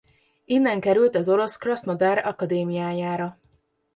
Innen került az orosz Krasznodar akadémiájára.